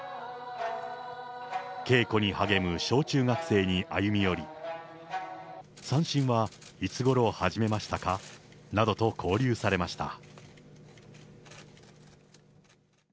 稽古に励む小中学生に歩み寄り、三線はいつごろ始めましたか？などと交流されました。